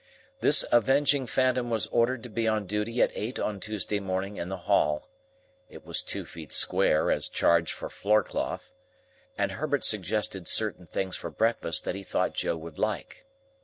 This avenging phantom was ordered to be on duty at eight on Tuesday morning in the hall, (it was two feet square, as charged for floorcloth,) and Herbert suggested certain things for breakfast that he thought Joe would like.